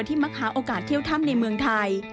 มักหาโอกาสเที่ยวถ้ำในเมืองไทย